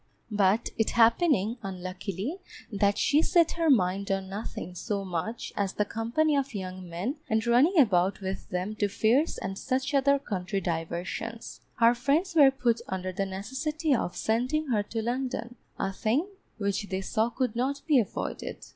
But it happening, unluckily, that she set her mind on nothing so much as the company of young men and running about with them to fairs and such other country diversions, her friends were put under the necessity of sending her to London, a thing which they saw could not be avoided.